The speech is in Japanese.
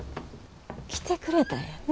来てくれたんやね。